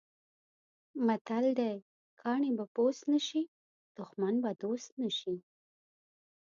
متل دی: کاڼی به پوست نه شي، دښمن به دوست نه شي.